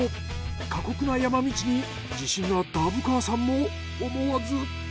過酷な山道に自信のあった虻川さんも思わず。